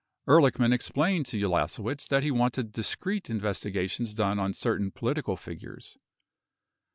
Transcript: Ehrlichman explained to Ulasewicz that he wanted discreet investigations done on certain po litical figures.